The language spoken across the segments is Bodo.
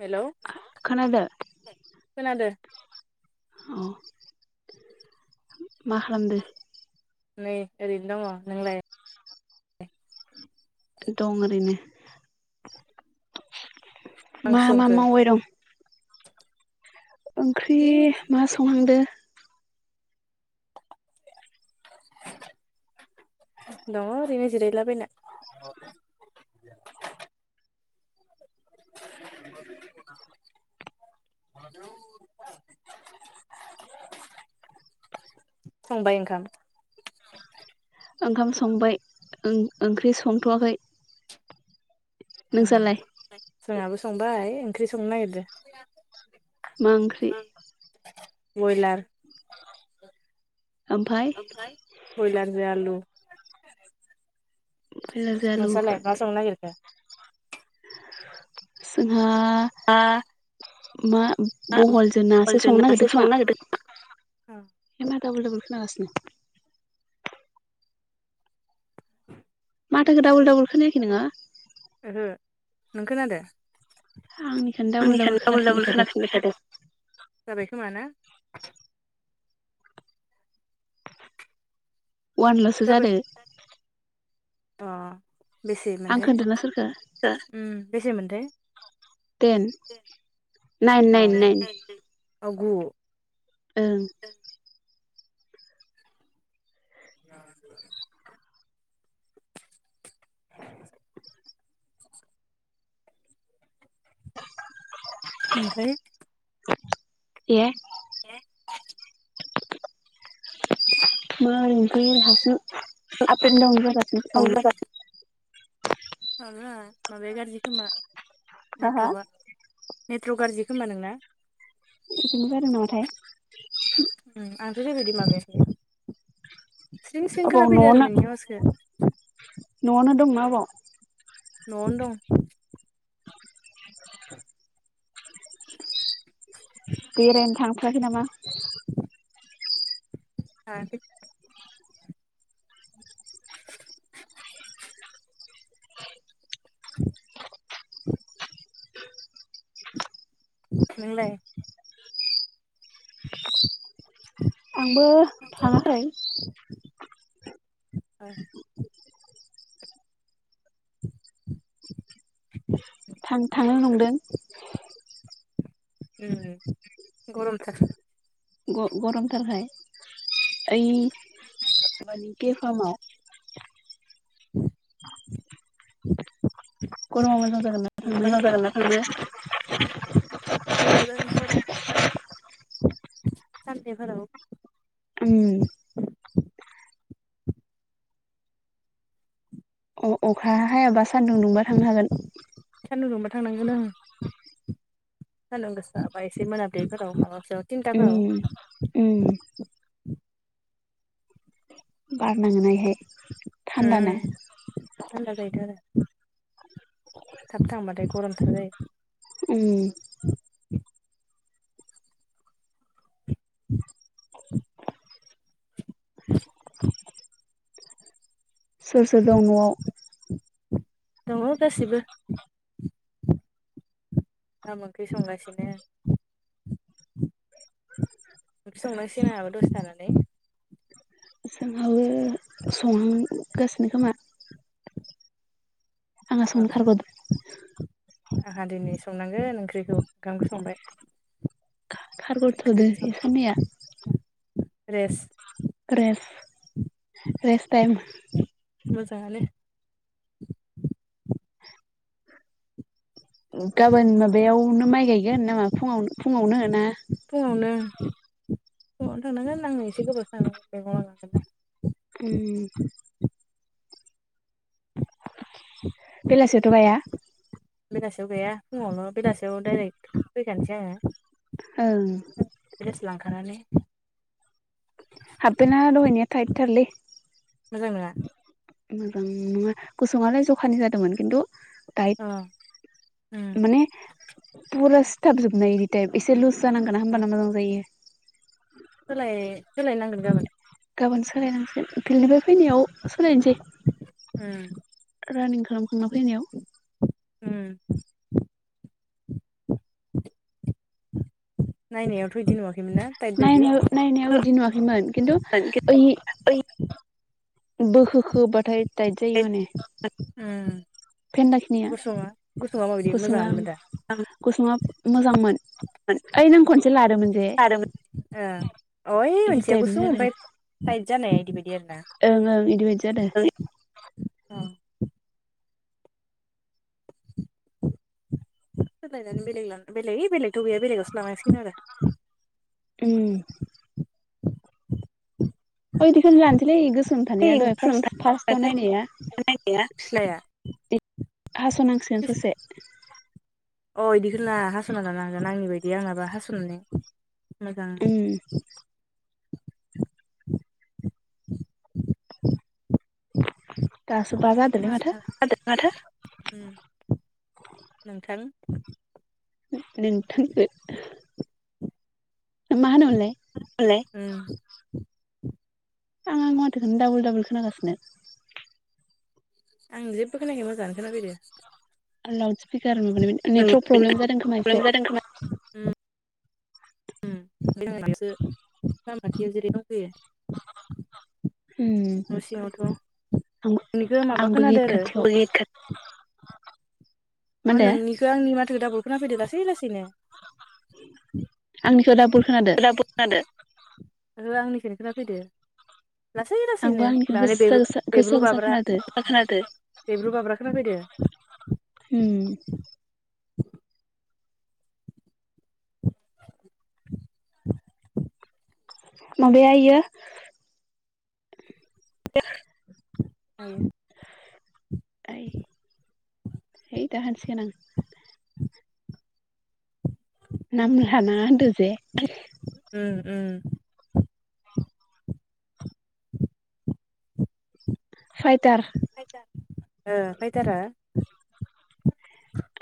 हेलौ खोनादो खोनादो अ' [unintelligible] मा खालामदो? नै ओरैनो दङ नोंलाय? दं ओरैनो मा ओंख्रि मा संखो मावबाय दं? ओंख्रि जि मा संहांदो? दङ ओरैनो जिरायलाबायना। [inaudible] [inaudible] [unintelligible] संबाय ओखाम ओंखाम संबाय ओं ओंख्रि संथ'वाखै नोंसालाय [unintelligible] जोंहाबो संबाय ओंख्रि संनो नागिरदो मां ओंख्रि? बयलार ओमफाय बयलारजों आलु बयलारजों आलु नोंसालाय मा संनो नागिरखो? जोंहा [unintelligible] मा बहल जों नासो संनो नागिरदों खोमा औ है मा डाबल डाबल खोनागासिनो [inaudible] माथोखो डाबल जाबाय डाबल खोनायाखै नोङो? ओहो नों खोनादो आंनिखौनो डाबल आंनिखोनो डाबल खोनाफिनबाय डाबल थादों खोनाफिनबाय थादो जाबाय खोमा ना वानल'सो जाबाय जादों अ बेसेमोनथाय खोन्थाना सोरखो [unintelligible] उम बेसेमोनथाय टेन नाइन अ नाइन नाइन अ गु ओं [inaudible] [inaudible] ओमफ्राय [unintelligible] ए ए [unintelligible] [unintelligible] माबा माबाया गारजि खोमा हा हा नेट्रखआ नेट्रख गारजि खोमा नोंना [unintelligible] नो जादों नामाथाय [unintelligible] माबायाखै स्रिं स्रिं अबाव खोनाफैदों आरो न'आवनो नोंनि आवाजखो [unintelligible] न'आवनो दं [inaudible] बेरायनो थांथाराखै नामा? थांङाखै [inaudible] नोंलाय? [inaudible] आंबो थाङाखै [unintelligible] [inaudible] थां थांनो नंदों। उम गरमनि थाखार ग गरम थारखाय। ओइ मानिखे [unintelligible] [inaudible] [unintelligible] [unintelligible] गरमा मोजां जागोन ना मोजां थांनो जागोनथ' आरो। [unintelligible] सानदे फोराव ओम अ अखा हायाबा सान्दुं दुंबा थांनो हागोन। सानदुं दुंबा थांनांगोन ओं। सानदुं गोसाबा एसे मोनाबिलिफोराव माबाफोराव तिनथाफोराव उम [inaudible] बार नाङोना इहाय थान्दानो उम जाल्ला जायोथ' आरो। थाब थांबाथाय गरमथार जायो। उम [inaudible] सोर सोर दं न'आव? दङ' गासिबो। ओंखाम ओंख्रि संगासिनो। ओं [unintelligible] संनांसिगोन आंहाबो दसे थानानै। जोंहाबो [unintelligible] खोमा आङा औ संनो खारग'दो आंहा दिनै संनांगोन ओंख्रिखौ ओंखामखौ संबाय। खारगरथ'दो इ खाननैया रेस रेस्ट रेस्ट टाइम मोजाङानो। उम गाबोन माबायावनो माइ गायगोन नामा फुंआव फुङावनो ना फुंआवनो थांनांगोन आं एसे गोबावसो थानांगोन [unintelligible] उम बेलासियावथ' गाया बेलासियाव गाया फुङावल' बेलासियाव डाइरेक्ट फैखानोसै आङो। ओं द्रेस लांखानानै हाबफेना दहायनिया थाइटथारलै मोजां नोङा मोजां नोङा गुसुंआलाय जखानि जादोंमोन खिन्थु अ टाइट उम माने पुरा स्थाबजोबनाय इदि टाइप एसे लुस जानांगोन होमबाना मोजां जायो। सोलाय सोलायनांगोन गाबोन गाबोन सोलायनांसिगोन फिल्डनिफाय फैनायाव सोलायनोसै उम रानिं खालामखांना फैनायाव उम [inaudible] नायनायावथ' इदि नुआ [unintelligible] नायनायाव नायनायाव इदि नुवाखैमोन खिन्थु ओइ बोखोखोबाथाय टाइद जायो माने उम फेन्दाखिनिया गुसुङा गुसुङा माबायदि गुसुङा मोजाङानोमोन गुसुुंङा मोजांमोन [unintelligible] ओ ओइ नों खनसे लादोंमोन जे अ ओइ इदि मोनसेया टाइपनि गुसुं जादों ओमफाय [unintelligible] ओं ओं इदि बायदि जादो औ [unintelligible] सोलायनानै बेलेग ला बेले ओइ बेलेगथ' गैया बेलेगावसो लानांसिगोन आरो उम बैदिखौनो लानोसैलै गोसोम थानाया दहाय फार्स्ट फार्स्टआव नायनाया फिस्लाया। हास'नांसिगोन ससे। अ इदिखोनो ला हास'ना लानो हागोन आंनि बायदि आंनाबा हास'नानै मोजां उम। दास [unintelligible] नोंथां। नोंथांजो मा होनोमोनलाय? आं आंनि माथोखौनो दाबोल दाबोल खोनागासिनो। आं जेबो खोनायाखै मोजाङानो खोनाफैदो। लाउड स्पिकार माबानायमोन उम नेटवर्क प्रब्लेम जादों खोमा एसे। ओम [unintelligible] उम न' सिङावथ' आं बिनिखौ माबा आंबो गेट खोनादो आरो खाथियाव [unintelligible] मा अ होनदो नोंनिखो आंनि माथोखो दाबुल खोनाफैदो लासै लासैनो। आंनिखौ डाबल खोनादो [unintelligible] ओहो आंनिखौनो खोनाफैदो। लासै आंबो लासैनो आंनिखौ माने बे गोसा गोसा गोसा बेब्रु गोसा बाब्रा खोनादो खोनादो बेब्रु बाब्रा खोना फैदो। उम। माबाया इयो [unintelligible] ओइ ओइ दा होनसिगोन आं। नामलानाङा होनदो। जे [unintelligible] उम उम। [unintelligible] फाइटार ओ फायथारा।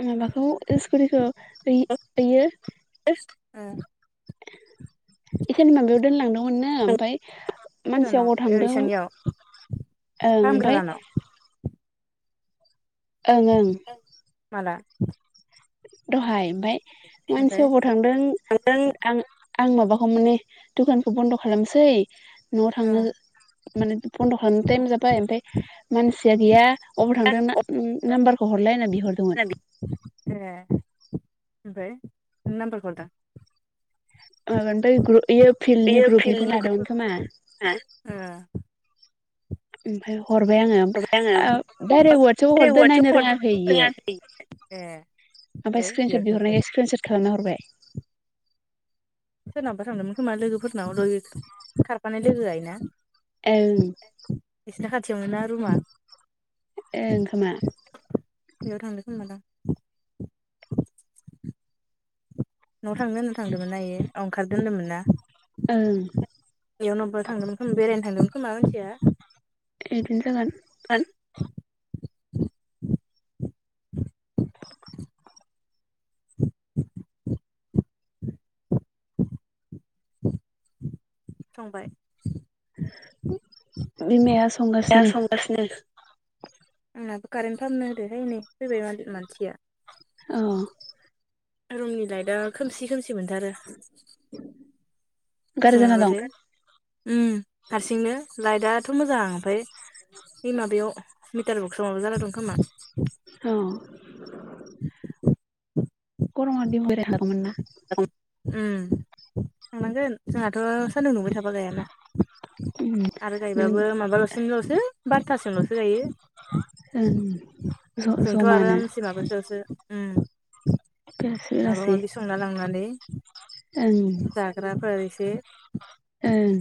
माबाखौ इसकुथिखौ आइ ओयो। ओं। इसोरनि माबायाव दोनलांदोंमोननो ओमफाय मानसिआ अबाव ओ थांदों इसानियाव ओं फाहामग्रा ओमफाय लाहानाव ओंओं। माला दहाय ओमफाय मानसिया ओमफ्राय अबाव थांदों ओं आं आं माबाखौ माने दुखानखौ बन्द' खालामसै न'आव थांनो माने बन्द' खालामनो टाइम जाब बाय ओमफाय मानसिया गैया अबाव थांदों ना नाम्बार खौ हरलाय होनना बिह [unintelligible] ए ओमफ्राय नाम्बारखौ हरदों? ओ ओमफ्राय ग्रु इयो ग्रुप इयो फिल्डनि बेयो ग्रुपनिफ्राय फिल्डनि लादोंमोन खोमा। ग्रुपना हरबाय ओमफाय हरबाय आङो आङो ओ डाइरेक्ट वाटसाप आव हरदो नायनो वाटसआव हरदों रोङाखै इयो। रोङाखै ए। ओमफाय ओमफ्राय बेयाव स्क्रिनसट थांदों बिहरनायखाय स्क्रिन सट खालामना हरबाय। सोरनावबा थांदोंमोन खोमा लोगोफोरनाव लय खारफानाय लोगोआ इना। ओं बिना खाथियाव नोना रुमा। ए ओंखोमा। बेयाव थांदो खोमा दां। न'आव थांनो होनना थांदोंमोन ना इयो ओंखारदों होनदोंमोनना। ओं। बेयावनो अब्बा थांदोंमोन खोम बेरायनो थांदोंमोन खोमा मानसिया। इदिनो जागोन। फंबाय बिमाया दा संगासिनो संगासिनो आंनाबो कारेन्ट फामनो होदोहाय नै फैबाय मानसिया। औ रुमनि लाइटआ खोमसि खोमसि मोनथारो। गारजाना दं सोङाबाथाय अम हारसिंनो लाइटआ। दाथ' मोजां ओमफाय बे माबायाव मिटार बक्सआव माबा जाना दं खोमा। औ गरमा दि ब थागौमोन ना अम थांनांगोन जोंहाथ' सान्दुं दुंबाय थाबा गायाना ओम आरो गायबाबो ओं माबाल'सिमल'सो बारथासिमल'सो गायो। ओं जोंथ' आरामसे माबा सायावसो अम बेलासि माबा बेलासि माबि संना लांनानै ओं जाग्रा फोर एसे ओं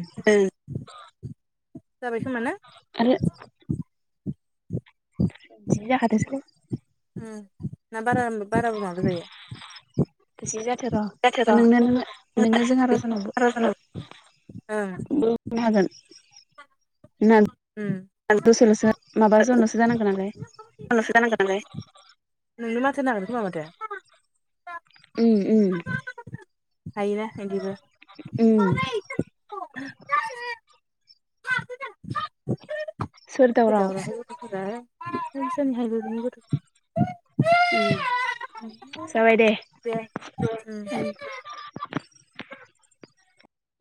जाबाय खोमा ना। जाखाथोसैलै अम ना बारा-बाराबो माबा जायो गोसो जाथोर जाथो नों-नोंङो जोंहा राजानाव र' बार' जनाव ओं [inaudible] ना उम दसेल'सो माबासोल'सो जानांगौ नालाय नांगोननालाय नोंनो माथो होननांगोन खोमा माथो उम उम हायोना इदिबो अम [inaudible] दावराव दावराहाय गथ'फोरासहायबोनि गथ' उम जाबाय दे उम अम